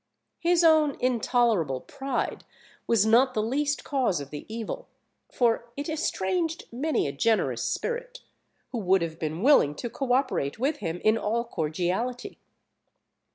His own intolerable pride was not the least cause of the evil; for it estranged many a generous spirit, who would have been willing to co operate with him in all cordiality.